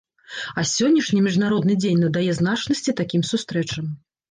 А сённяшні, міжнародны дзень надае значнасці такім сустрэчам.